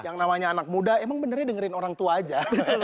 yang namanya anak muda emang benernya dengerin orang tua aja